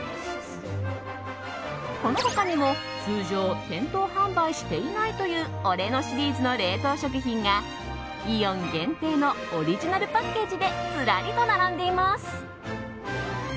この他にも、通常店頭販売していないという俺のシリーズの冷凍食品がイオン限定のオリジナルパッケージでずらりと並んでいます。